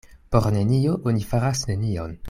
Por nenio oni faras nenion.